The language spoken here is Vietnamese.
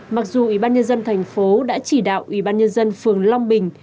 mặc dù ủy ban nhân dân thành phố đã chỉ đạo ủy ban nhân dân phường long bình